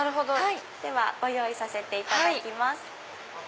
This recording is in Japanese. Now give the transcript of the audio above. ではご用意させていただきます。